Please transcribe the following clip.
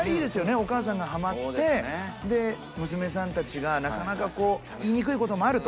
お母さんがハマってで娘さんたちがなかなかこう言いにくいこともあると。